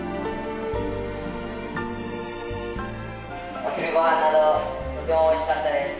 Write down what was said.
お昼御飯などとてもおいしかったです。